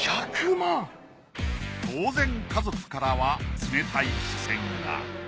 当然家族からは冷たい視線が。